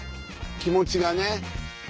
気持ちがね。